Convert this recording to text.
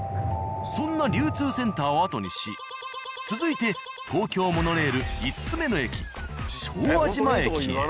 そんな流通センターをあとにし続いて東京モノレール５つ目の駅昭和島駅へ。